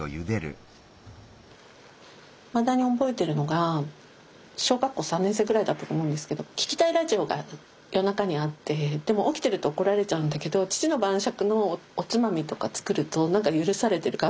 いまだに覚えてるのが小学校３年生ぐらいだったと思うんですけど聴きたいラジオが夜中にあってでも起きてると怒られちゃうんだけど父の晩酌のおつまみとか作ると何か許されてる感じがあって。